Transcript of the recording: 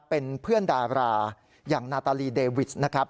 เป็นเพื่อนดาราอย่างนาตาลีเดวิสนะครับ